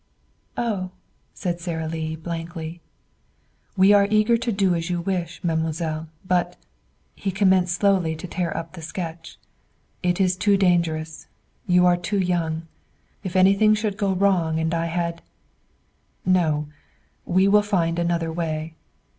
"Oh!" said Sara Lee blankly. "We are eager to do as you wish, mademoiselle. But" he commenced slowly to tear up the sketch "it is too dangerous. You are too young. If anything should go wrong and I had No. We will find another way."